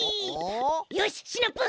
よしシナプー！